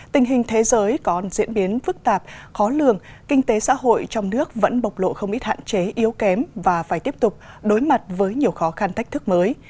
tình hình thế giới còn diễn biến phức tạp khó lường kinh tế xã hội trong nước vẫn bộc lộ không ít hạn chế yếu kém và phải tiếp tục đối mặt với nhiều khó khăn thách thức mới